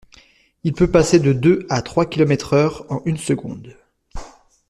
Il peut passer de deux à trois kilomètres-heure en une seconde.